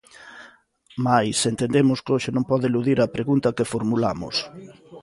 Mais entendemos que hoxe non pode eludir a pregunta que formulamos.